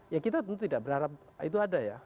ya kita tentu tidak berharap itu ada ya